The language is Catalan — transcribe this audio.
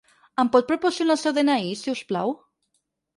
Em pot proporcionar el seu de-ena-i, si us plau?